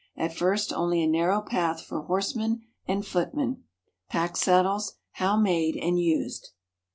At first only a narrow path for horsemen and footmen. Pack saddles, how made and used.